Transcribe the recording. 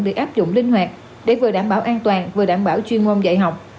được áp dụng linh hoạt để vừa đảm bảo an toàn vừa đảm bảo chuyên môn dạy học